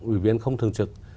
ủy viên không thường trực